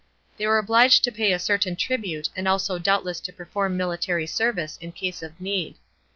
They were obliged to pay a certain tribute and also doubtless to perform military service in case of need.